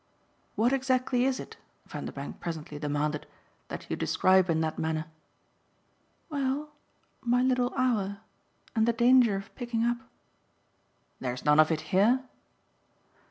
"What exactly is it," Vanderbank presently demanded, "that you describe in that manner?" "Well, my little hour. And the danger of picking up." "There's none of it here?"